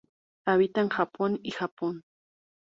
Habita en Japón y Japón.